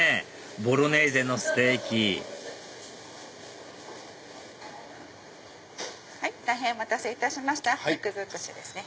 ボロネーゼのステーキはい大変お待たせいたしました肉づくしですね。